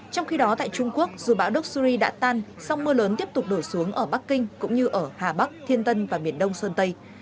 trong khi đó tại trung quốc dù bão doxury đã tan song mưa lớn tiếp tục đổ xuống ở bắc kinh cũng như ở hà bắc thiên tân và miền đông sơn tây